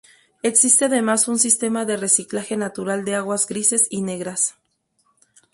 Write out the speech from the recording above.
Existe además un sistema de reciclaje natural de aguas grises y negras.